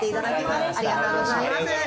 ありがとうございます。